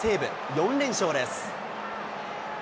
４連勝です。